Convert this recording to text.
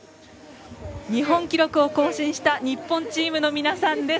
日本記録を更新した日本チームの皆さんです。